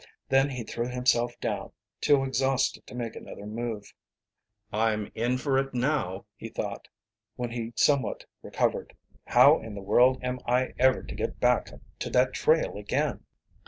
Then he threw himself down, too exhausted to make another move. "I'm in for it now," he thought, when he somewhat recovered. "How in the world am I ever to get back to that trail again?"